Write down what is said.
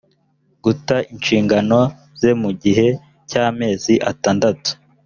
guta inshingano ze mu gihe cy amezi atandatu